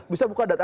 bisa buka data